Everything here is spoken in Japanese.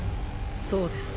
そうです。